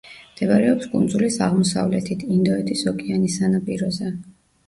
მდებარეობს კუნძულის აღმოსავლეთით, ინდოეთის ოკეანის სანაპიროზე.